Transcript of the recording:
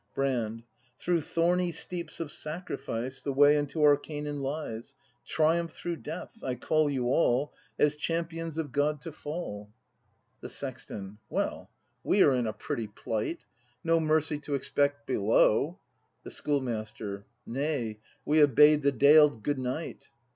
^ Brand. Through thorny steeps of sacrifice, The way unto our Canaan lies. Triumph through death! I call you all. As Champions of God to fall! 272 BRAND [act v The Sexton. Well, we are in a pretty plight! No mercy to expect below The Schoolmaster. Nay, we have bade the dale good night.